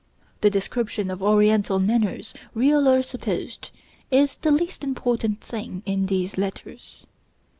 The description of Oriental manners, real or supposed, is the least important thing in these letters.